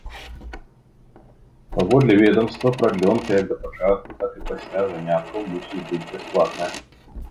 Паводле ведамства, прадлёнка як да пачатку, так і пасля заняткаў мусіць быць бясплатная.